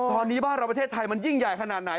ตอนนี้บ้านเราประเทศไทยมันยิ่งใหญ่ขนาดไหน